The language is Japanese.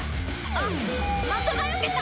あっ的がよけた！